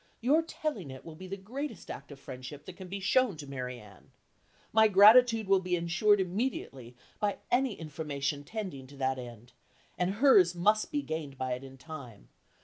Your telling it will be the greatest act of friendship that can be shown to Marianne. My gratitude will be ensured immediately by any information tending to that end, and hers must be gained by it in time.